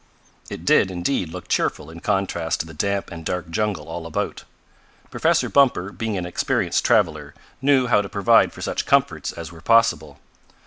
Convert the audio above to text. It did, indeed, look cheerful in contrast to the damp and dark jungle all about. Professor Bumper, being an experienced traveler, knew how to provide for such comforts as were possible.